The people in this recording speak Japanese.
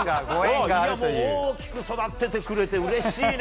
大きく育っててくれてうれしいね。